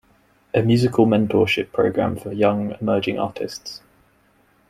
A musical mentorship program for young emerging artists.